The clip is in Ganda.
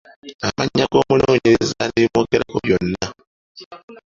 Amannya g’omunoonyereza n’ebimwogerako byonna.